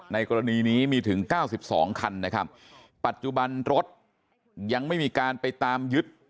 ในกรณีนี้มีถึง๙๒คันนะครับปัจจุบันรถยังไม่มีการไปตามยึด